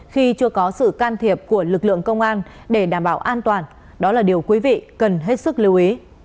khi chưa có sự can thiệp của lực lượng công an để đảm bảo an toàn đó là điều quý vị cần hết sức lưu ý